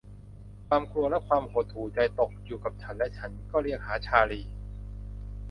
ความกลัวและความหดหู่ใจตกอยู่กับฉันและฉันก็เรียกหาชาร์ลี